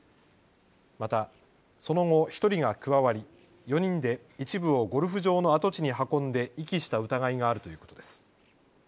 またその後、１人が加わり４人で一部をゴルフ場の跡地に運んで遺棄した疑いがあるということです。